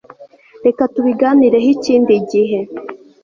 reka tubiganireho ikindi gihe